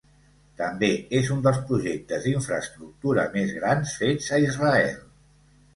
També és un dels projectes d'infraestructura més grans fets a Israel.